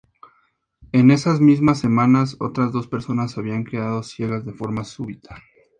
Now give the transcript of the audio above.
En esas mismas semanas, otras dos personas habían quedado ciegas de forma súbita.